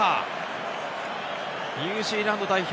ニュージーランド代表